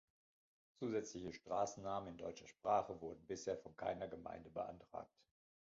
Zusätzliche Straßennamen in deutscher Sprache wurden bisher von keiner Gemeinde beantragt.